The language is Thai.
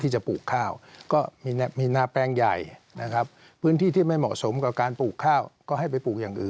เฉพาะหน้าก่อนระยะที่๒ตอนนี้